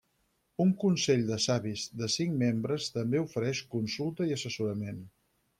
Un Consell de Savis de cinc membres també ofereix consulta i assessorament.